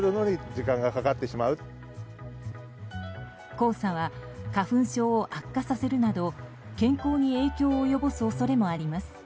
黄砂は花粉症を悪化させるなど健康に影響を及ぼす恐れもあります。